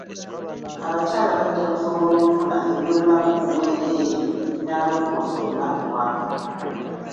Abakyala bajja kusobola okufuna ebyobulamu ku bwereere ebinaalongoosa obulamu bwabwe.